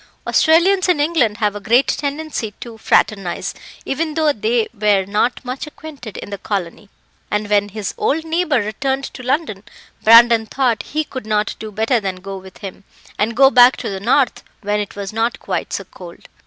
Australians in England have a great tendency to fraternise, even though they were not much acquainted in the colony, and when his old neighbour returned to London, Brandon thought he could not do better than go with him, and go back to the north when it was not quite so cold.